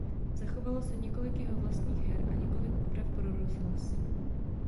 Zachovalo se několik jeho vlastních her a několik úprav pro rozhlas.